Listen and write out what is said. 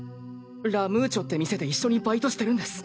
ラ・ムーチョって店で一緒にバイトしてるんです。